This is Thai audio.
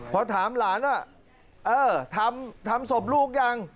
พอถามหลานว่าทำศพลูกอย่าง